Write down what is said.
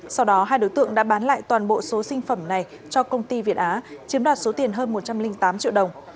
sau đó hai đối tượng đã bán lại toàn bộ số sinh phẩm này cho công ty việt á chiếm đoạt số tiền hơn một trăm linh tám triệu đồng